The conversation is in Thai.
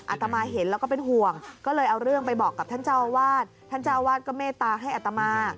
อาตมาเห็นแล้วก็เป็นห่วงก็เลยเอาเรื่องไปบอกกับท่านเจ้าอาวาสท่านเจ้าอาวาสก็เมตตาให้อัตมา